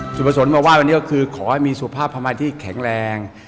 สุประสงค์มาไหว้วันนี้ก็คือขอให้มีสุขภาพพระมัยที่แข็งแรง